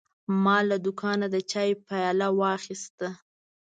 ما له دوکانه د چای پیاله واخیسته.